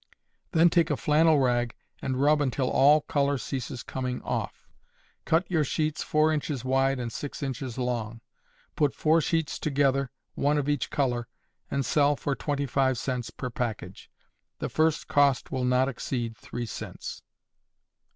Then take a flannel rag, and rub until all color ceases coming off. Cut your sheets four inches wide and six inches long; put four sheets together, one of each color, and sell for twenty five cents per package. The first cost will not exceed three cents.